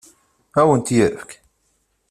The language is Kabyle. Ad awen-t-yefk?